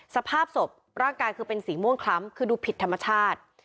สภาพศพร่างกายคือเป็นสีม่วงคล้ำคือดูผิดธรรมชาติ